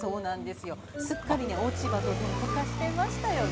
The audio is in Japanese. すっかり、落ち葉と同化してましたよね。